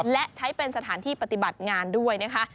และใช้เป็นสถานที่ปฏิบัติงานด้วยนะคะ